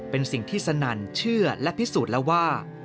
เป็นสิ่งที่สนั่นเชื่อและพิสูจน์แล้วว่า